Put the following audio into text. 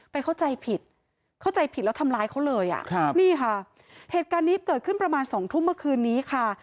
เข้าใจผิดเข้าใจผิดแล้วทำร้ายเขาเลยอ่ะครับนี่ค่ะเหตุการณ์นี้เกิดขึ้นประมาณสองทุ่มเมื่อคืนนี้ค่ะ